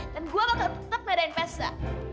dan gue bakal tetep bedain pesta